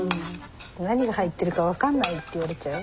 何が入ってるか分かんないって言われちゃう？